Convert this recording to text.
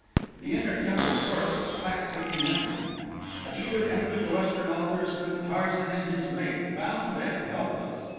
The inner temple court was packed with humanity. At either end of the western altar stood Tarzan and his mate, bound and helpless.